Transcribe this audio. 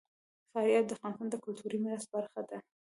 فاریاب د افغانستان د کلتوري میراث برخه ده.